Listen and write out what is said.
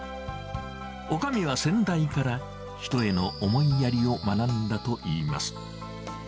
おかみは先代から、人への思いやりを学んだといいます。